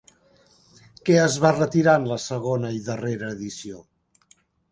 Què es va retirar en la segona i darrera edició?